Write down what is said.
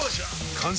完成！